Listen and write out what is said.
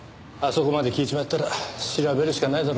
あそこまで聞いちまったら調べるしかないだろ。